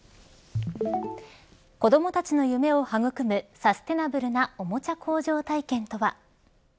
子どもたちの夢を育むサステナブルなおもちゃ工場体験とは。